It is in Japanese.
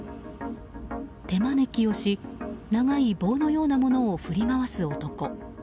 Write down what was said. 手招きをし長い棒のようなものを振り回す男。